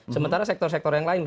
sementara sektor sektor yang lain